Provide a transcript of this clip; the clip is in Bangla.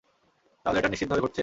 তাহলে এটা নিশ্চিতভাবে ঘটছে?